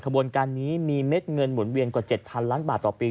ขบวนการนี้มีเม็ดเงินหมุนเวียนกว่า๗๐๐ล้านบาทต่อปี